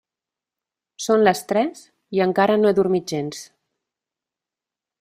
Són les tres i encara no he dormit gens.